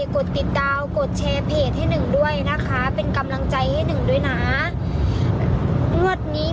๐คักเลยเนี่ย๐มาบน๐มาล่างเลยค่ะตอนนี้